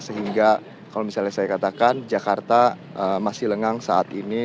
sehingga kalau misalnya saya katakan jakarta masih lengang saat ini